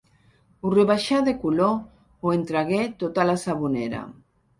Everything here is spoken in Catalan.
Ho rebaixà de color o en tragué tota la sabonera.